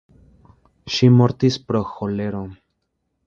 Ŝi mortis pro ĥolero.